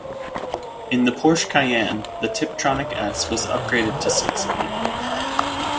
In the Porsche Cayenne, the Tiptronic S was upgraded to six-speed.